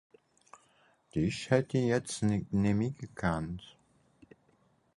Dìch hätt ìch jetzt nemmi gekannt.